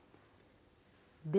で